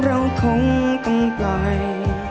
เราคงต้องปล่อย